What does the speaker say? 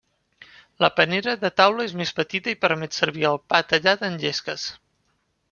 La panera de taula és més petita i permet servir el pa tallat en llesques.